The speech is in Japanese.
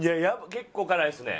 結構辛いですか？